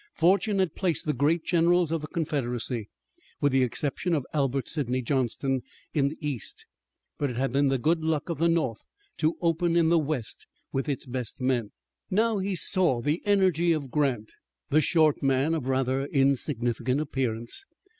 Fortune had placed the great generals of the Confederacy, with the exception of Albert Sidney Johnston, in the east, but it had been the good luck of the North to open in the west with its best men. Now he saw the energy of Grant, the short man of rather insignificant appearance.